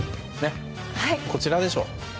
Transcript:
こちらでしょ。